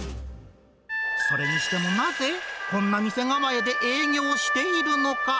それにしても、なぜこんな店構えで営業しているのか。